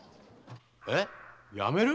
えっ⁉やめる？